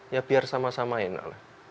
ya biar sama samain lah